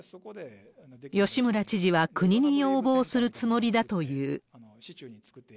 吉村知事は国に要望するつもりだという。